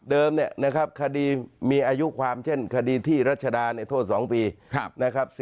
เนี่ยนะครับคดีมีอายุความเช่นคดีที่รัชดาเนี่ยโทษ๒ปีนะครับ